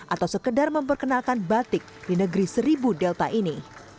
atau sekedar memperkenalkan batik di negeri seribu delta ini